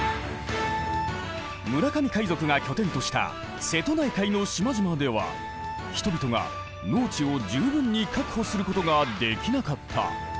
村上海賊が拠点とした瀬戸内海の島々では人々が農地を十分に確保することができなかった。